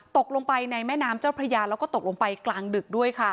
ตกลงไปในแม่น้ำเจ้าพระยาแล้วก็ตกลงไปกลางดึกด้วยค่ะ